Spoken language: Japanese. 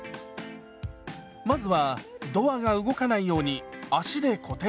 まずはドアが動かないように足で固定します。